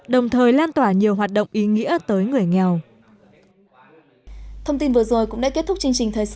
đồng thời lan tỏa nhiều hoạt động ý nghĩa tới người nghèo